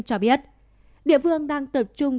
cho biết địa phương đang tập trung